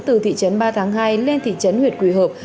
từ thị trấn ba tháng hai lên thị trấn huyện quỳ hợp